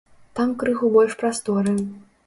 Там крыху больш прасторы.